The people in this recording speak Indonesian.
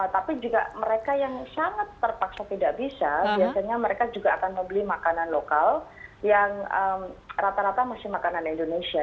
tapi juga mereka yang sangat terpaksa tidak bisa biasanya mereka juga akan membeli makanan lokal yang rata rata masih makanan indonesia